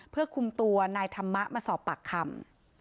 เพื่อคุมตัวนายธรรมะมาสอบปากคำ